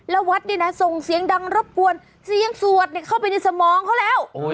แล้ววัดเนี่ยนะส่งเสียงดังรบกวนเสียงสวดเข้าไปในสมองเขาแล้ว